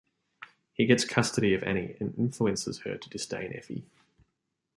He gets custody of Annie and influences her to disdain Effi.